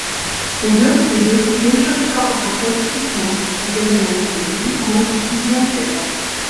У вёсцы ёсць фельчарска-акушэрскі пункт, аддзяленне сувязі, клуб, бібліятэка.